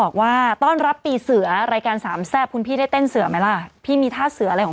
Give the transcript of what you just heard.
เขาเยอะอยู่แลว